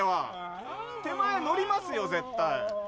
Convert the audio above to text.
手前乗りますよ絶対。